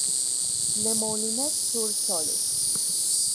Le Moulinet-sur-Solin